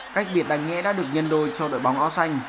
cách biệt đánh nghe đã được nhân đôi cho đội bóng ó xanh